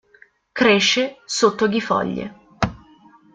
Cresce sotto aghifoglie.